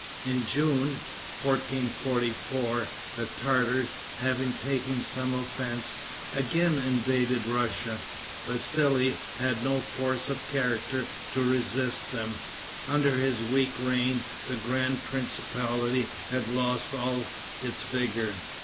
In June, 1444, the Tartars, having taken some offense, again invaded Russia. Vassali had no force of character to resist them. Under his weak reign the grand principality had lost all its vigor.